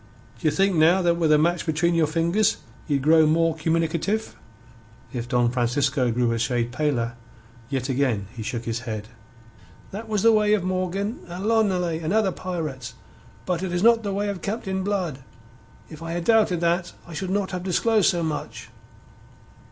D'ye think now that with a match between your fingers ye'd grow more communicative?" If Don Francisco grew a shade paler, yet again he shook his head. "That was the way of Morgan and L'Ollonais and other pirates. But it is not the way of Captain Blood. If I had doubted that I should not have disclosed so much."